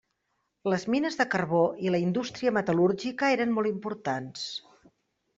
Les mines de carbó i la indústria metal·lúrgica eren molt importants.